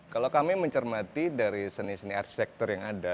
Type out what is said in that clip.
kalau kami mencermati dari seni seni arsitektur yang ada